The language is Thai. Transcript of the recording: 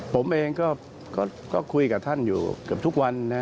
ผมเองก็คุยกับท่านอยู่เกือบทุกวันนะ